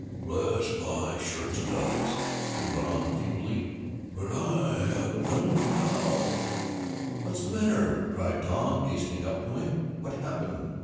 "Bless my shirt studs!" he went on feebly. "But I have done it now!" "What's the matter?" cried Tom, hastening up to him. "What happened?